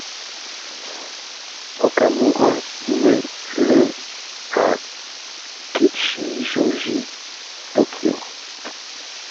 Okamura naît le à Kichijōji, Tokyo.